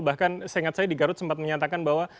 bahkan saya ingat saya di garut sempat menyatakan bahwa